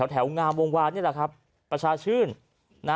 งามวงวานนี่แหละครับประชาชื่น